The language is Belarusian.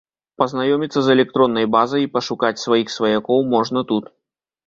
Пазнаёміцца з электроннай базай і пашукаць сваіх сваякоў можна тут.